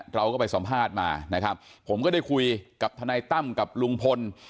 เราก็ไปสัมภาษณ์มานะครับผมก็ได้คุยกับทนายตั้มกับลุงพล